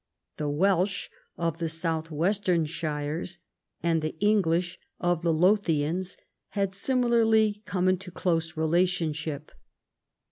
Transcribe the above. The Welsh of the south western shires and the English of the Lothians had similarly come into close relationship.